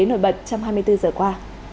nổi bật trong hai mươi bốn giờ qua